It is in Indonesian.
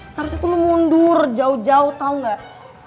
seharusnya lo mundur jauh jauh tau gak